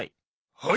はい！